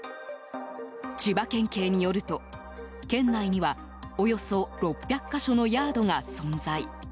千葉県警によると、県内にはおよそ６００か所のヤードが存在。